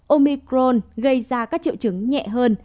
omicron gây ra các triệu chứng nhẹ hơn